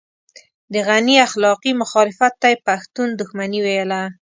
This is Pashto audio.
د غني اخلاقي مخالفت ته يې پښتون دښمني ويله.